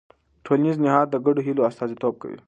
ټولنیز نهاد د ګډو هيلو استازیتوب کوي.